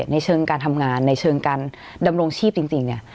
ในเชิงการทำงานในเชิงการดำรงชีพจริงเนี่ย